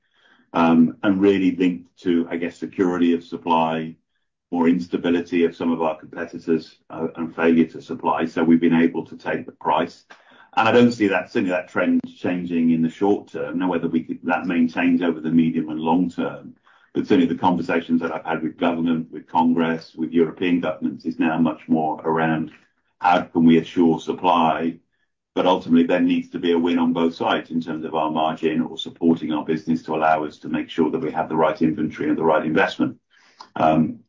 and really linked to, I guess, security of supply, more instability of some of our competitors, and failure to supply. So we've been able to take the price. And I don't see that trend changing in the short term, nor whether that maintains over the medium and long term. But certainly, the conversations that I've had with government, with Congress, with European governments is now much more around how can we assure supply. But ultimately, there needs to be a win on both sides in terms of our margin or supporting our business to allow us to make sure that we have the right inventory and the right investment.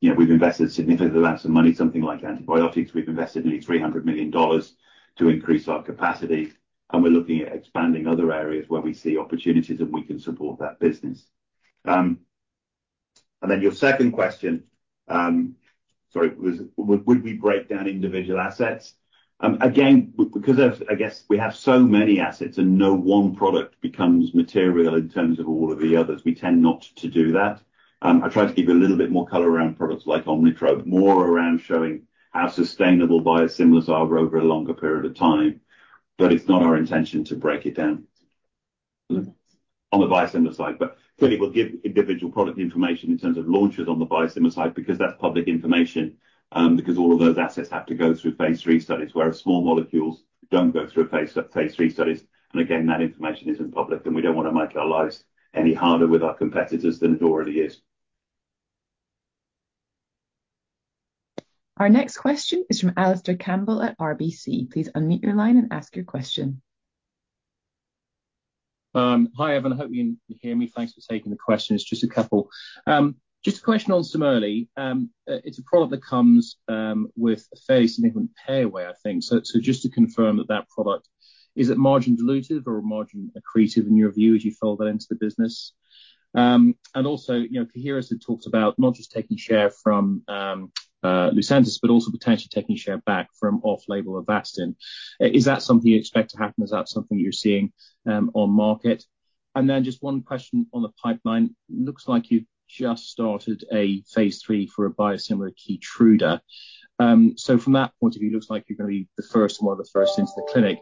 We've invested significant amounts of money, something like antibiotics. We've invested nearly $300 million to increase our capacity. And we're looking at expanding other areas where we see opportunities and we can support that business. And then your second question, sorry, would we break down individual assets? Again, because I guess we have so many assets and no one product becomes material in terms of all of the others, we tend not to do that. I tried to give you a little bit more color around products like Omnitrope, more around showing how sustainable biosimilars are over a longer period of time. It's not our intention to break it down on the biosimilar side. Clearly, we'll give individual product information in terms of launches on the biosimilar side because that's public information, because all of those assets have to go through phase 3 studies, whereas small molecules don't go through phase 3 studies. Again, that information isn't public. We don't want to make our lives any harder with our competitors than it already is. Our next question is from Alistair Campbell at RBC. Please unmute your line and ask your question. Hi, Evan. I hope you can hear me. Thanks for taking the question. It's just a couple. Just a question on Cimerli. It's a product that comes with a fairly significant payaway, I think. So just to confirm that that product, is it margin dilutive or margin accretive in your view as you fold that into the business? And also, Coherus has talked about not just taking share from Lucentis, but also potentially taking share back from off-label Avastin. Is that something you expect to happen? Is that something that you're seeing on market? And then just one question on the pipeline. Looks like you've just started a phase three for a biosimilar Keytruda. So from that point of view, it looks like you're going to be the first and one of the first into the clinic.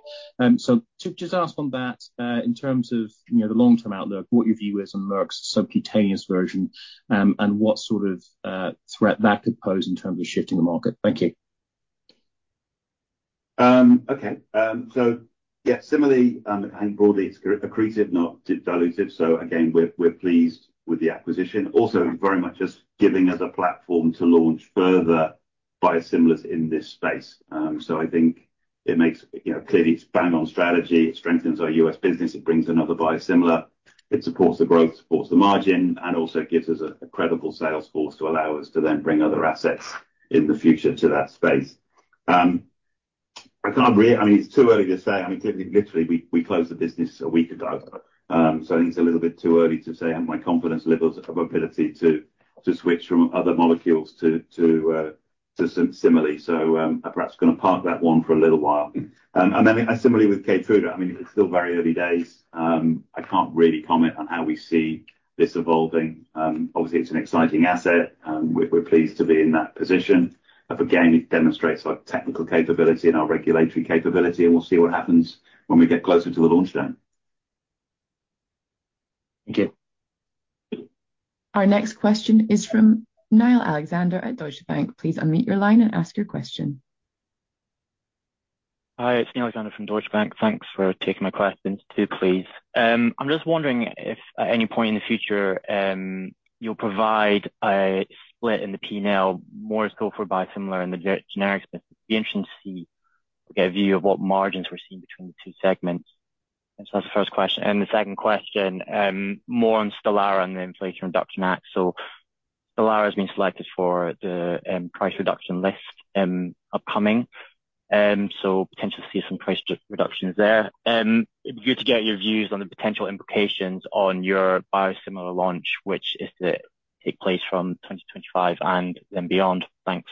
So to just ask on that, in terms of the long-term outlook, what your view is on Merck's subcutaneous version and what sort of threat that could pose in terms of shifting the market? Thank you. Okay. So yeah, seemingly, I think broadly, it's accretive, not dilutive. So again, we're pleased with the acquisition. Also, very much just giving us a platform to launch further biosimilars in this space. So I think it makes clearly, it's bang-on strategy. It strengthens our U.S. business. It brings another biosimilar. It supports the growth, supports the margin, and also gives us a credible sales force to allow us to then bring other assets in the future to that space. I mean, it's too early to say. I mean, literally, we closed the business a week ago. So I think it's a little bit too early to say how my confidence levels of ability to switch from other molecules to Cimerli. So I'm perhaps going to park that one for a little while. And then similarly with Keytruda, I mean, it's still very early days. I can't really comment on how we see this evolving. Obviously, it's an exciting asset. We're pleased to be in that position. But again, it demonstrates our technical capability and our regulatory capability. We'll see what happens when we get closer to the launch day. Thank you. Our next question is from Niall Alexander at Deutsche Bank. Please unmute your line and ask your question. Hi. It's Niall Alexander from Deutsche Bank. Thanks for taking my question too, please. I'm just wondering if at any point in the future, you'll provide a split in the P&L more so for biosimilar and the generics business. Be interested to see or get a view of what margins we're seeing between the two segments. So that's the first question. And the second question, more on Stelara and the Inflation Reduction Act. So Stelara has been selected for the price reduction list upcoming. So potentially see some price reductions there. It'd be good to get your views on the potential implications on your biosimilar launch, which is to take place from 2025 and then beyond. Thanks.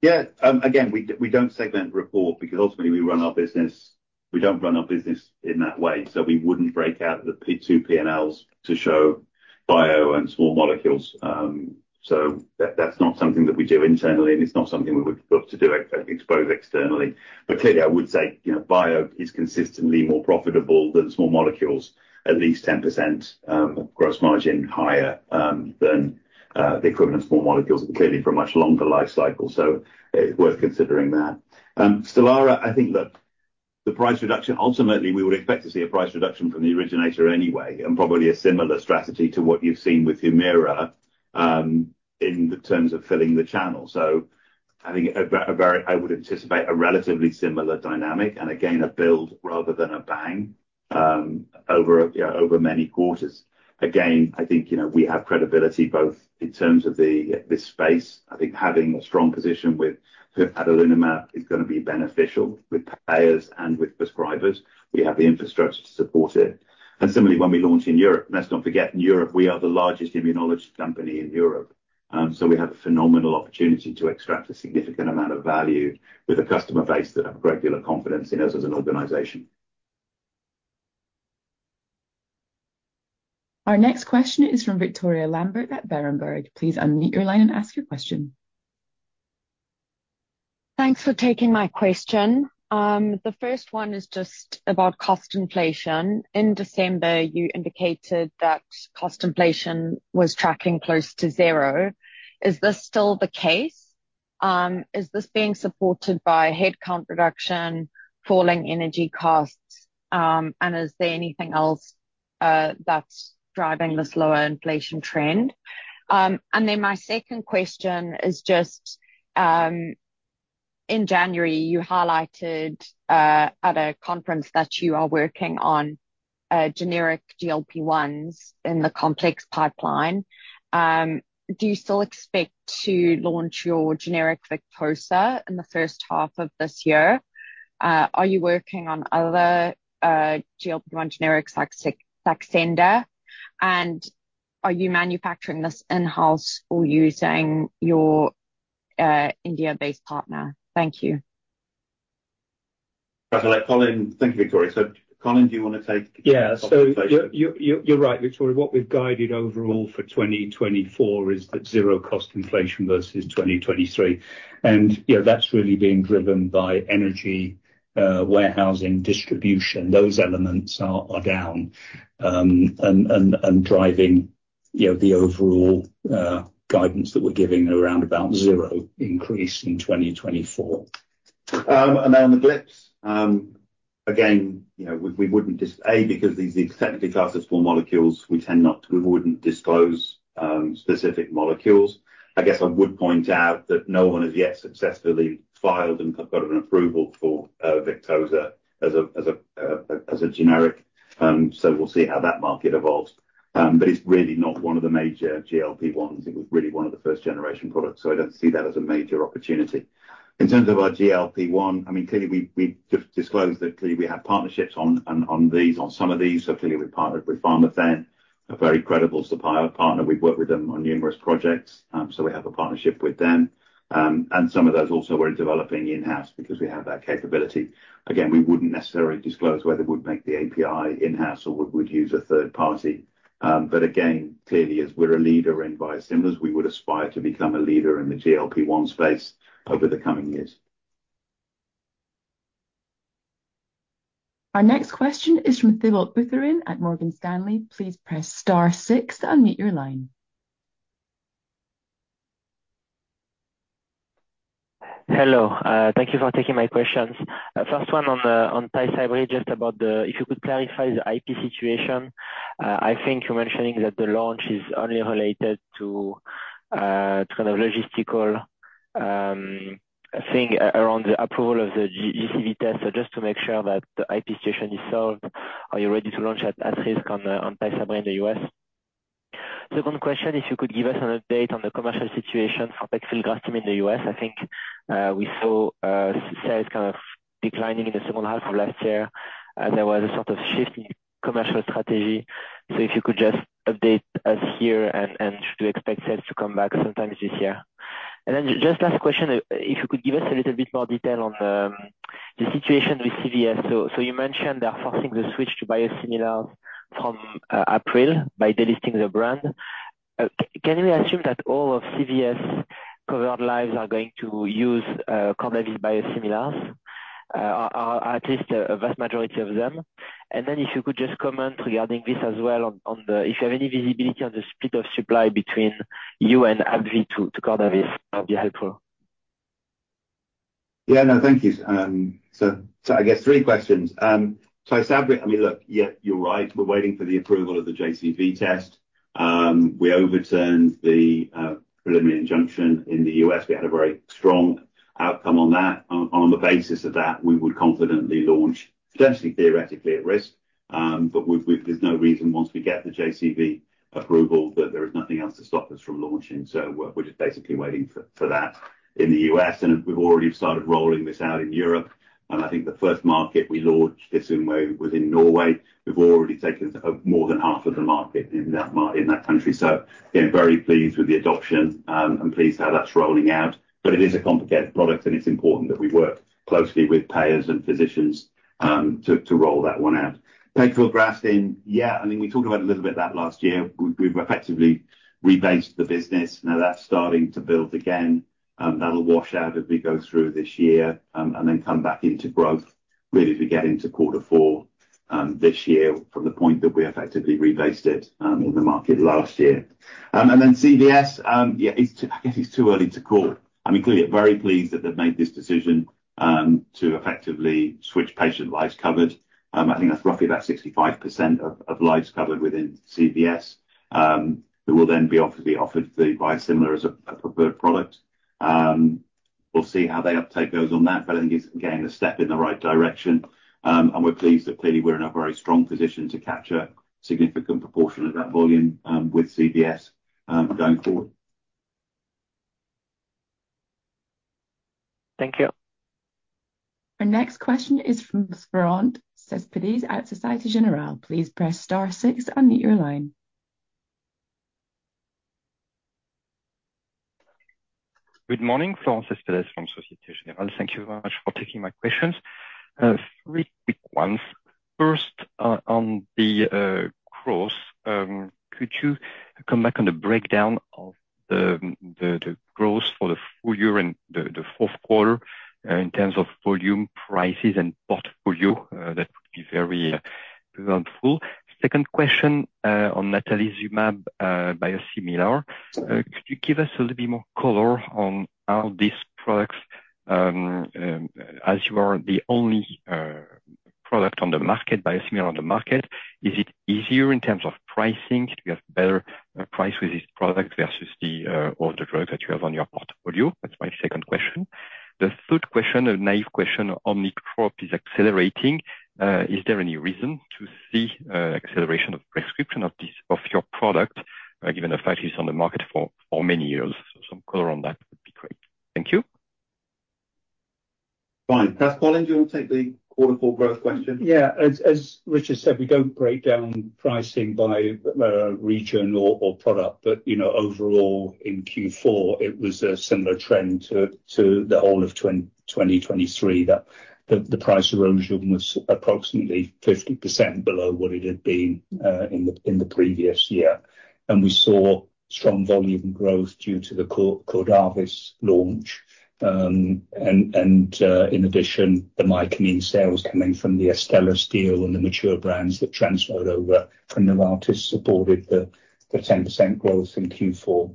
Yeah. Again, we don't segment report because ultimately, we run our business we don't run our business in that way. So we wouldn't break out the two P&Ls to show bio and small molecules. So that's not something that we do internally, and it's not something we would look to expose externally. But clearly, I would say bio is consistently more profitable than small molecules, at least 10% gross margin higher than the equivalent small molecules, clearly for a much longer lifecycle. So it's worth considering that. Stelara, I think that the price reduction ultimately, we would expect to see a price reduction from the originator anyway and probably a similar strategy to what you've seen with Humira in terms of filling the channel. So I think I would anticipate a relatively similar dynamic and, again, a build rather than a bang over many quarters. Again, I think we have credibility both in terms of this space. I think having a strong position with adalimumab is going to be beneficial with payers and with prescribers. We have the infrastructure to support it. And similarly, when we launch in Europe and let's not forget, in Europe, we are the largest immunology company in Europe. So we have a phenomenal opportunity to extract a significant amount of value with a customer base that have great deal of confidence in us as an organization. Our next question is from Victoria Lambert at Berenberg. Please unmute your line and ask your question. Thanks for taking my question. The first one is just about cost inflation. In December, you indicated that cost inflation was tracking close to zero. Is this still the case? Is this being supported by headcount reduction, falling energy costs, and is there anything else that's driving this lower inflation trend? And then my second question is just, in January, you highlighted at a conference that you are working on generic GLP-1s in the complex pipeline. Do you still expect to launch your generic Victoza in the first half of this year? Are you working on other GLP-1 generics like Saxenda? And are you manufacturing this in-house or using your India-based partner? Thank you. Colin, thank you, Victoria. Colin, do you want to take a conversation? Yeah. So you're right, Victoria. What we've guided overall for 2024 is that zero cost inflation versus 2023. And that's really being driven by energy, warehousing, distribution. Those elements are down and driving the overall guidance that we're giving around about zero increase in 2024. And then on the GLPs, again, we wouldn't, because these are the technical classes of small molecules, we tend not to disclose specific molecules. I guess I would point out that no one has yet successfully filed and got an approval for Victoza as a generic. So we'll see how that market evolves. But it's really not one of the major GLP-1s. It was really one of the first-generation products. So I don't see that as a major opportunity. In terms of our GLP-1, I mean, clearly, we've just disclosed that we have partnerships on these, on some of these. So clearly, we partnered with Pharmathen, a very credible supplier partner. We've worked with them on numerous projects. So we have a partnership with them. And some of those also, we're developing in-house because we have that capability. Again, we wouldn't necessarily disclose whether we'd make the API in-house or we would use a third party. But again, clearly, as we're a leader in biosimilars, we would aspire to become a leader in the GLP-1 space over the coming years. Our next question is from Thibault Boutherin at Morgan Stanley. Please press star six to unmute your line. Hello. Thank you for taking my questions. First one on Tysabri, just about if you could clarify the IP situation. I think you're mentioning that the launch is only related to kind of logistical thing around the approval of the JCV test. So just to make sure that the IP situation is solved, are you ready to launch at risk on Tysabri in the U.S.? Second question, if you could give us an update on the commercial situation for pegfilgrastim in the U.S. I think we saw sales kind of declining in the second half of last year. There was a sort of shift in commercial strategy. So if you could just update us here and should we expect sales to come back sometime this year? And then just last question, if you could give us a little bit more detail on the situation with CVS. So you mentioned they're forcing the switch to biosimilars from April by delisting the brand. Can we assume that all of CVS covered lives are going to use Cordavis biosimilars, or at least a vast majority of them? And then if you could just comment regarding this as well on the if you have any visibility on the split of supply between you and AbbVie to Cordavis, that would be helpful. Yeah. No, thank you. So I guess three questions. Tysabri, I mean, look, you're right. We're waiting for the approval of the JCV test. We overturned the preliminary injunction in the U.S. We had a very strong outcome on that. On the basis of that, we would confidently launch, potentially theoretically, at risk. But there's no reason once we get the JCV approval that there is nothing else to stop us from launching. So we're just basically waiting for that in the U.S. And we've already started rolling this out in Europe. And I think the first market we launched this in was in Norway. We've already taken more than half of the market in that country. So again, very pleased with the adoption and pleased how that's rolling out. But it is a complicated product, and it's important that we work closely with payers and physicians to roll that one out. Pegfilgrastim, yeah. I mean, we talked about a little bit of that last year. We've effectively rebased the business. Now, that's starting to build again. That'll wash out as we go through this year and then come back into growth really as we get into quarter four this year from the point that we effectively rebased it in the market last year. And then CVS, yeah, I guess it's too early to call. I mean, clearly, very pleased that they've made this decision to effectively switch patient lives covered. I think that's roughly about 65% of lives covered within CVS who will then be offered the biosimilar as a preferred product. We'll see how their uptake goes on that. I think it's, again, a step in the right direction. We're pleased that clearly, we're in a very strong position to capture a significant proportion of that volume with CVS going forward. Thank you. Our next question is from Francis Pérez at Société Générale. Please press star six and mute your line. Good morning. Francis Pérez from Société Générale. Thank you very much for taking my questions. Three quick ones. First, on the growth, could you come back on the breakdown of the growth for the full year and the fourth quarter in terms of volume, prices, and portfolio? That would be very helpful. Second question on Natalizumab, biosimilar. Could you give us a little bit more color on how these products as you are the only product on the market, biosimilar on the market, is it easier in terms of pricing? Do you have better price with these products versus all the drugs that you have on your portfolio? That's my second question. The third question, a naive question, Omnitrope is accelerating. Is there any reason to see acceleration of prescription of your product given the fact it's on the market for many years? Some color on that would be great. Thank you. Fine. Perhaps, Colin, do you want to take the quarter four growth question? Yeah. As Richard said, we don't break down pricing by region or product. But overall, in Q4, it was a similar trend to the whole of 2023 that the price erosion was approximately 50% below what it had been in the previous year. And we saw strong volume growth due to the Cordavis launch. And in addition, the Mycamine sales coming from the Astellas deal and the mature brands that transferred over from Novartis supported the 10% growth in Q4.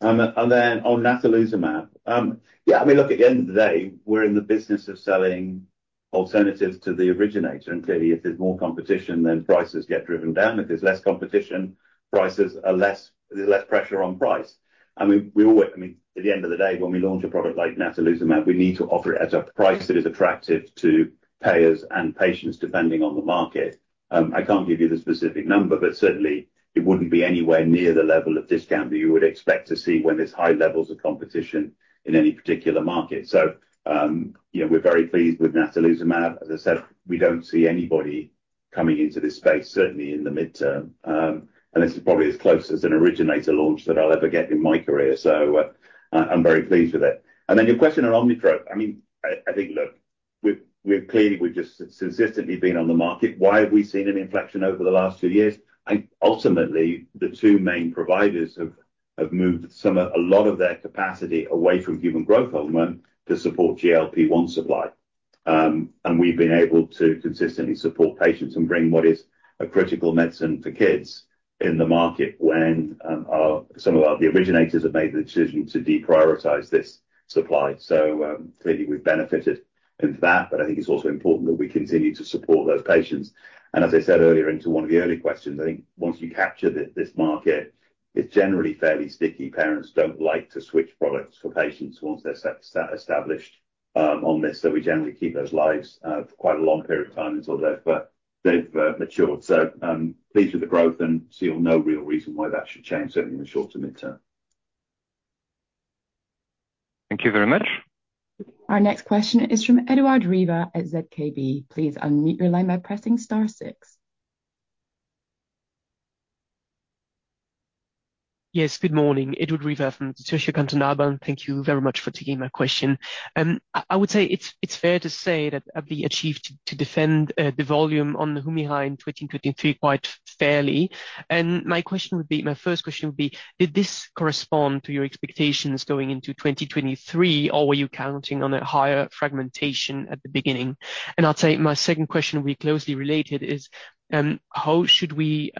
And then on natalizumab. Yeah. I mean, look, at the end of the day, we're in the business of selling alternatives to the originator. And clearly, if there's more competition, then prices get driven down. If there's less competition, there's less pressure on price. I mean, at the end of the day, when we launch a product like natalizumab, we need to offer it at a price that is attractive to payers and patients depending on the market. I can't give you the specific number, but certainly, it wouldn't be anywhere near the level of discount that you would expect to see when there's high levels of competition in any particular market. So we're very pleased with natalizumab. As I said, we don't see anybody coming into this space, certainly in the midterm. This is probably as close as an originator launch that I'll ever get in my career. So I'm very pleased with it. Then your question on Omnitrope. I mean, I think, look, clearly, we've just consistently been on the market. Why have we seen an inflection over the last two years? Ultimately, the two main providers have moved a lot of their capacity away from human growth hormone to support GLP-1 supply. And we've been able to consistently support patients and bring what is a critical medicine for kids in the market when some of the originators have made the decision to deprioritize this supply. So clearly, we've benefited from that. But I think it's also important that we continue to support those patients. And as I said earlier into one of the early questions, I think once you capture this market, it's generally fairly sticky. Payers don't like to switch products for patients once they're established on this. So we generally keep those lives for quite a long period of time until they've matured. So pleased with the growth, and see no real reason why that should change, certainly in the short to midterm. Thank you very much. Our next question is from Edouard Riva at ZKB. Please unmute your line by pressing star six. Yes. Good morning. Edouard Riva from Zürcher Kantonalbank. And thank you very much for taking my question. I would say it's fair to say that AbbVie achieved to defend the volume on the Humira in 2023 quite fairly. And my first question would be, did this correspond to your expectations going into 2023, or were you counting on a higher fragmentation at the beginning? And I'd say my second question, which will be closely related, is how should we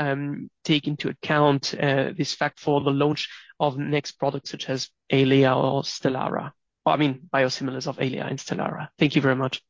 take into account this fact for the launch of next products such as Eylea or Stelara? Or I mean, biosimilars of Eylea and Stelara. Thank you very much.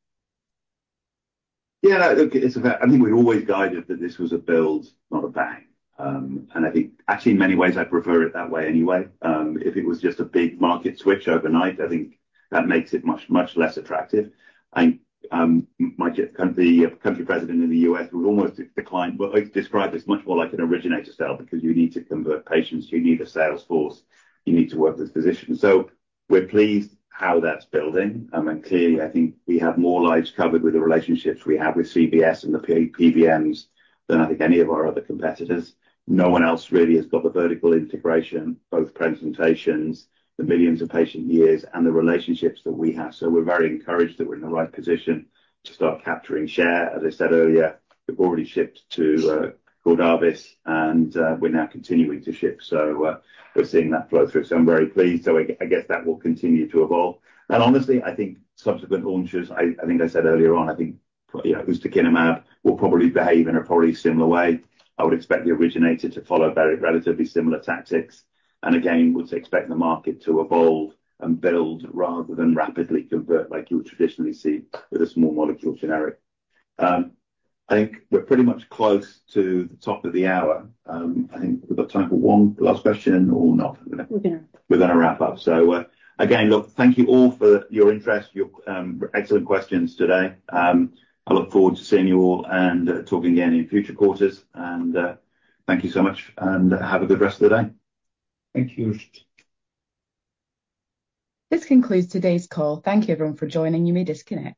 Yeah. Look, I think we're always guided that this was a build, not a bang. And I think actually, in many ways, I prefer it that way anyway. If it was just a big market switch overnight, I think that makes it much less attractive. And the country president in the U.S. would almost decline. I describe this much more like an originator sale because you need to convert patients. You need a sales force. You need to work with physicians. So we're pleased how that's building. And clearly, I think we have more lives covered with the relationships we have with CVS and the PBMs than I think any of our other competitors. No one else really has got the vertical integration, both presentations, the millions of patient years, and the relationships that we have. So we're very encouraged that we're in the right position to start capturing share. As I said earlier, we've already shipped to Cordavis, and we're now continuing to ship. So we're seeing that flow through. So I'm very pleased. So I guess that will continue to evolve. And honestly, I think subsequent launches, I think I said earlier on, I think Ustekinumab will probably behave in a probably similar way. I would expect the originator to follow relatively similar tactics. And again, we'd expect the market to evolve and build rather than rapidly convert like you would traditionally see with a small molecule generic. I think we're pretty much close to the top of the hour. I think we've got time for one last question or not. We're going to wrap up. So again, look, thank you all for your interest, your excellent questions today. I look forward to seeing you all and talking again in future quarters. And thank you so much. Have a good rest of the day. Thank you, Richard. This concludes today's call. Thank you, everyone, for joining. You may disconnect.